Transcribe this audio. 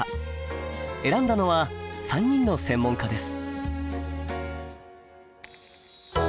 選んだのは３人の専門家です。